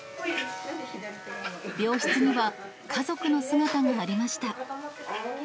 病室には、家族の姿もありました。